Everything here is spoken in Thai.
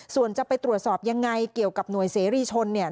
ส่วนจะไปตรวจสอบยังไงเกี่ยวกับหน่วยเสรีชนเนี่ย